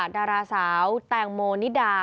ดาราสาวแตงโมนิดา